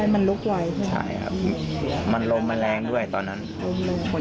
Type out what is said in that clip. มันลุกไหวใช่ไหม